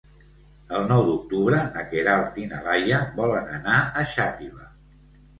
El nou d'octubre na Queralt i na Laia volen anar a Xàtiva.